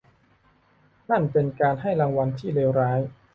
นั่นเป็นการให้รางวัลที่เลวร้าย !